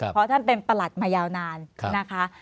เพราะท่านเป็นประหลัดมายาวนานนะคะ